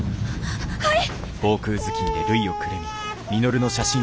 はい！